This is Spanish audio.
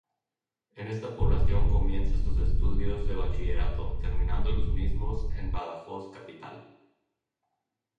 En esta población comienza sus estudios de Bachillerato, terminando los mismos en Badajoz capital.